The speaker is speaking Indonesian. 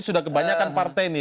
sudah kebanyakan partai nih